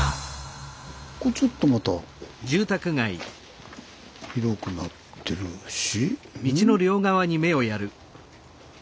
ここちょっとまた広くなってるしん？